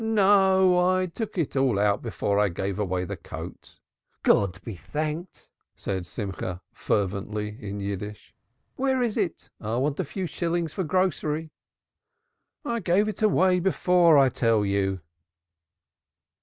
"No, I took it all out before I gave away the coat." "God be thanked!" said Simcha fervently in Yiddish. "Where is it? I want a few shillings for grocery." "I gave it away before, I tell you!"